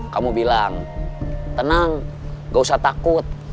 kamu bilang tenang gak usah takut